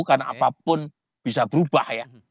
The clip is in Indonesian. karena apapun bisa berubah ya